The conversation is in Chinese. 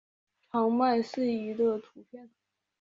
长麦穗鱼的图片